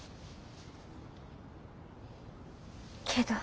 けど。